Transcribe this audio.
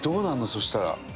そしたら」